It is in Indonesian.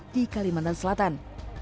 di kalimantan selatan